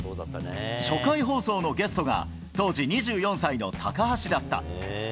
初回放送のゲストが、当時２４歳の高橋だった。